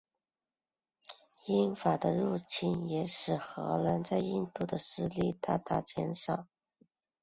英法的入侵也使荷兰在印度的势力大大减少。